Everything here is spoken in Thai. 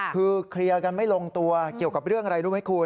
คือเคลียร์กันไม่ลงตัวเกี่ยวกับเรื่องอะไรรู้ไหมคุณ